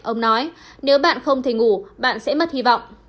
ông nói nếu bạn không thể ngủ bạn sẽ mất hy vọng